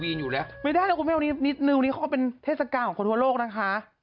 มันจะไม่ได้แบบนี้คนนี้เป็นเทสกาลของคนวงโลกนะคะ